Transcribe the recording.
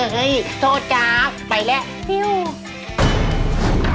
เฮ่ยโทษจ้าไปแล้วนิ้ว